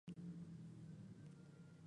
Se encuentra en Angola.